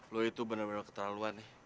lo itu bener bener keterlaluan